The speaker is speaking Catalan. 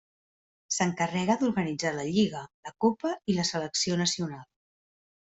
S'encarrega d'organitzar la Lliga, la Copa i la selecció nacional.